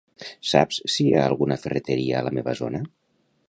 Saps si hi ha alguna ferreteria a la meva zona?